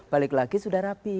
balik lagi sudah rapi